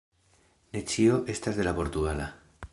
Ne ĉio estas de la portugala,